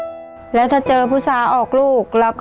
ทำเป็นผู้สาเชื่อมให้น้องรักปั่นจักรยานไปขายตามหมู่บ้านค่ะ